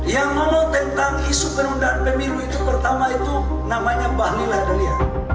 yang ngomong tentang isu perundangan pemiru itu pertama itu namanya mbah lila dalia